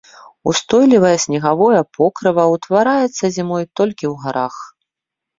Устойлівае снегавое покрыва ўтвараецца зімой толькі ў гарах.